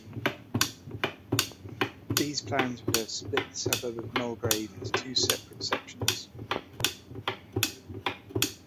These plans would have split the suburb of Mulgrave into two separate sections.